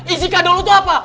isi kado lu tuh apa